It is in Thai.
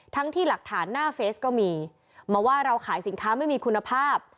ที่หลักฐานหน้าเฟสก็มีมาว่าเราขายสินค้าไม่มีคุณภาพ